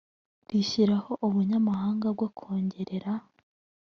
rishyiraho ubunyamabanga bwo kongerera